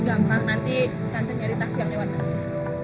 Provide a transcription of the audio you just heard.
gampang nanti tante nyari taksi yang lewat aja